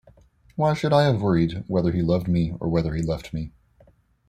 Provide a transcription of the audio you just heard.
Why should I have worried whether he loved me or whether he left me?